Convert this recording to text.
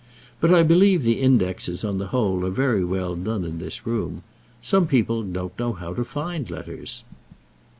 "But I believe the indexes, on the whole, are very well done in this room. Some people don't know how to find letters."